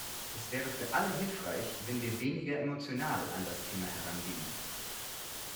Es wäre für alle hilfreich, wenn wir weniger emotional an das Thema herangingen.